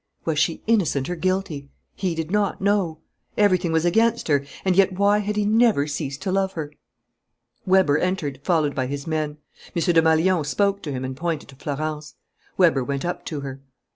Was she innocent or guilty? He did not know. Everything was against her. And yet why had he never ceased to love her? Weber entered, followed by his men. M. Desmalions spoke to him and pointed to Florence. Weber went up to her.